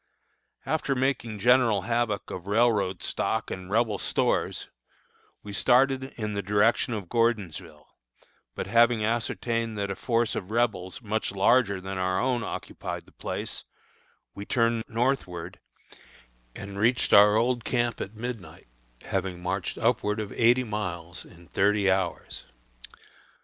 After making general havoc of railroad stock and Rebel stores, we started in the direction of Gordonsville, but having ascertained that a force of Rebels much larger than our own occupied the place, we turned northward, and reached our old camp at midnight, having marched upward of eighty miles in thirty hours.